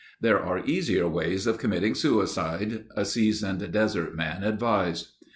"There are easier ways of committing suicide," a seasoned desert man advised.